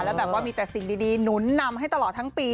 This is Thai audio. แล้วแบบว่ามีแต่สิ่งดีหนุนนำให้ตลอดทั้งปี